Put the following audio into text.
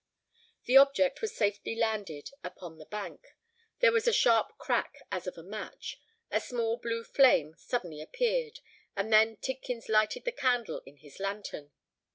The object was safely landed upon the bank: there was a sharp crack as of a match—a small blue flame suddenly appeared—and then Tidkins lighted the candle in his lantern.